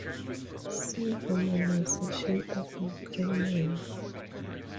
See romanization of Ukrainian.